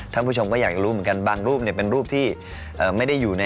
ถ้าผู้ชมมาอยากรู้เหมือนกันบางรูปเวลาเป็นรูปที่